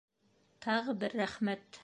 Тағы бер рәхмәт!